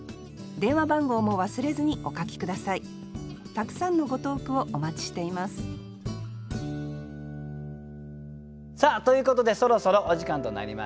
たくさんのご投句をお待ちしていますさあということでそろそろお時間となりました。